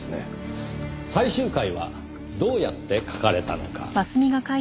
最終回はどうやって描かれたのか？